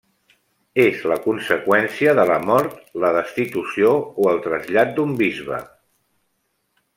És la conseqüència de la mort, la destitució o el trasllat d'un bisbe.